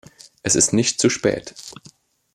Es ist nicht zu spät.